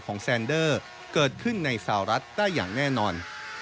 แซนเดอร์เกิดขึ้นในสหรัฐได้อย่างแน่นอน